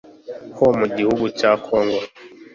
ho mu gihugu cya Congo